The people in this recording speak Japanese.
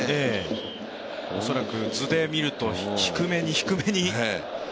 恐らく図で見ると低めに低めに。